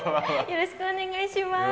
よろしくお願いします。